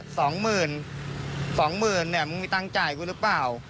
สองหมื่นสองหมื่นเนี่ยมึงมีตังค์จ่ายกูหรือเปล่า